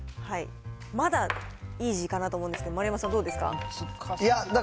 まだ、イージーかなと思うんですが、丸山さん、どうですか。